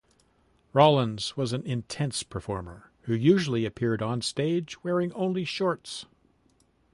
Rollins was an intense performer, who usually appeared onstage wearing only shorts.